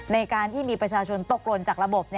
ในการที่มีประชาชนตกหล่นจากระบบ